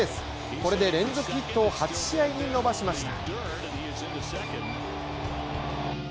これで連続ヒットを８試合に伸ばしました。